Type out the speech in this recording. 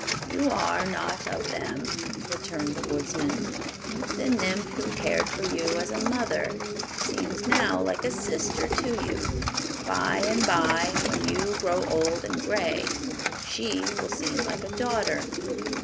"You are not of them," returned the Woodsman. "The nymph who cared for you as a mother seems now like a sister to you; by and by, when you grow old and gray, she will seem like a daughter.